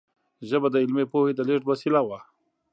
ژبه د علمي پوهې د لېږد وسیله وه.